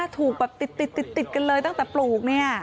ถูกแบบติดกันเลยตั้งแต่ปลูกเนี่ย